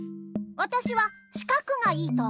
わたしは「しかく」がいいと思う。